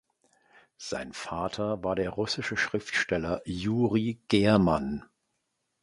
Sein Vater war der russische Schriftsteller Juri German.